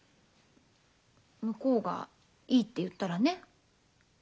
向こうがいいって言ったらね。